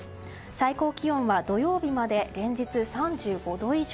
最高気温は土曜日まで連日３５度以上。